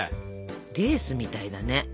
レースみたいだね。